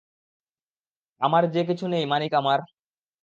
আমার যে কিছু নেই মানিক আমার!